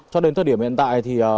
cho đến thời điểm hiện tại thì